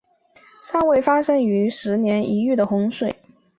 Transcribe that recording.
尚未发生大于十年一遇的洪水。